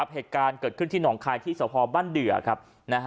เหตุการณ์เกิดขึ้นที่หนองคายที่สพบ้านเดือครับ